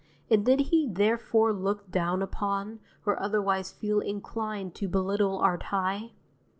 And did he therefore look down upon, or otherwise feel inclined to belittle our tie?